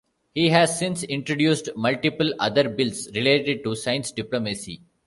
He has since introduced multiple other bills related to science diplomacy.